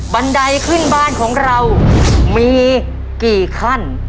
บันไดขึ้นบ้านของเรามีกี่ขั้น